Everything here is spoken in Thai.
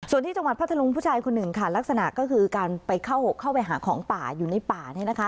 ส่วนที่จังหวัดพัทธรุงผู้ชายคนหนึ่งค่ะลักษณะก็คือการไปเข้าไปหาของป่าอยู่ในป่าเนี่ยนะคะ